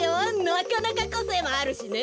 なかなかこせいもあるしね。